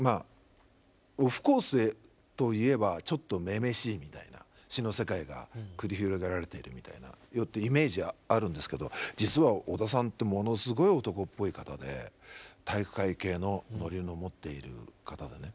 オフコースといえばちょっと女々しいみたいな詩の世界が繰り広げられているみたいなイメージはあるんですけど実は小田さんってものすごい男っぽい方で体育会系のノリを持っている方でね